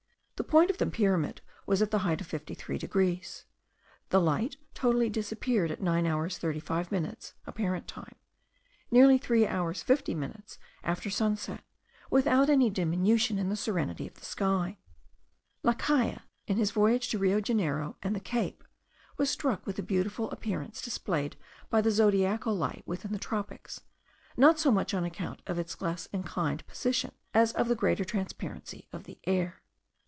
The point of the pyramid was at the height of 53 degrees. The light totally disappeared at 9 hours 35 minutes (apparent time), nearly 3 hours 50 minutes after sunset, without any diminution in the serenity of the sky. La Caille, in his voyage to Rio Janeiro and the Cape, was struck with the beautiful appearance displayed by the zodiacal light within the tropics, not so much on account of its less inclined position, as of the greater transparency of the air.